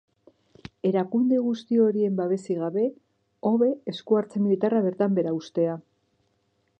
Erakunde guzti horien babesik gabe, hobe eskuhartze militarra bertan behar uztea.